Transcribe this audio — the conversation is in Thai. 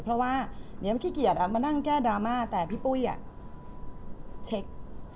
เพราะว่าเดี๋ยวมันขี้เกียจมานั่งแก้ดราม่าแต่พี่ปุ้ยเช็ค